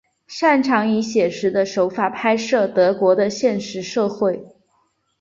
擅长以写实的手法拍摄德国的现实社会。